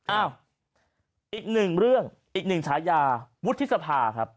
อ้าวอีกหนึ่งเรื่องอีกหนึ่งฉายาวุฒิสภาครับ